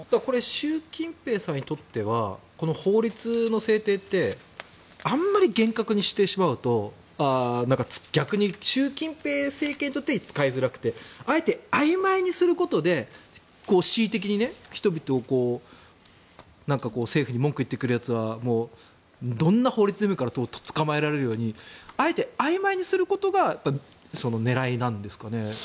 習近平さんにとっては法律の制定ってあまり厳格にしてしまうと逆に習近平政権にとって使いづらくてあえてあいまいにすることで恣意的に人々を政府に文句言ってくるやつはどんな法律でもいいから捕まえられるようにあえてあいまいにすることが狙いなんですかね？